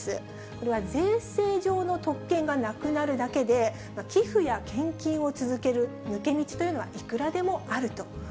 これは税制上の特権がなくなるだけで、寄付や献金を続ける抜け道というのはいくらでもあると。